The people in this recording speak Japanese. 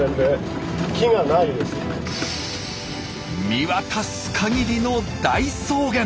見渡す限りの大草原！